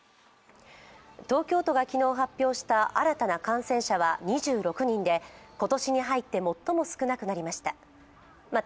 東京都が昨日発表した新たな感染者は２６にんで今年に入って最も少なくなりました。